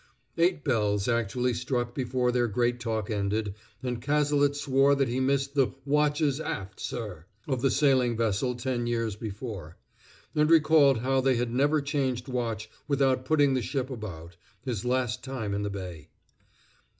Eight bells actually struck before their great talk ended and Cazalet swore that he missed the "watches aft, sir!" of the sailing vessel ten years before; and recalled how they had never changed watch without putting the ship about, his last time in the bay.